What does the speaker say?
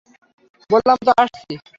বললাম তো আসছি।